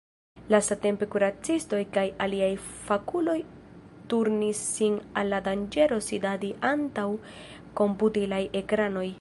Lastatempe kuracistoj kaj aliaj fakuloj turnis sin al la danĝero sidadi antaŭ komputilaj ekranoj.